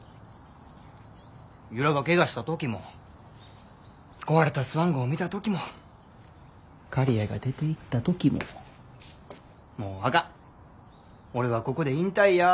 由良がケガした時も壊れたスワン号見た時も刈谷が出ていった時ももうあかん俺はここで引退やぁて。